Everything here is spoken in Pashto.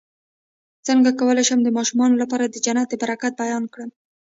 څنګه کولی شم د ماشومانو لپاره د جنت د برکت بیان کړم